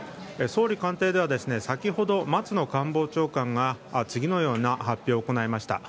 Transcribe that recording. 総理官邸では先ほど松野官房長官が次のような発表を行いました。